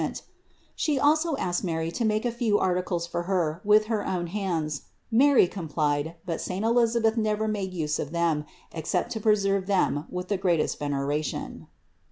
192 CITY OF GOD She also asked Mary to make a few articles for her with her own hands; Mary complied, but saint Elisabeth never made use of them, except to preserve them with the greatest veneration.